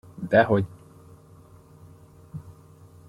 Dehogy.